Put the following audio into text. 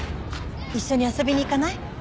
一緒に遊びに行かない？